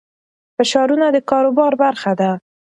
فشارونه د کاروبار برخه ده.